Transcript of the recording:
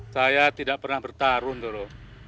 saya tidak pernah bertarung dulu